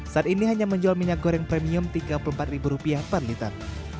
saat ini hanya menjual minyak goreng premium rp tiga puluh empat per liter